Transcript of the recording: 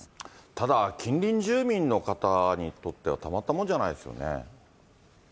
ただ近隣住民の方にとっては、たまったもんじゃないですよね。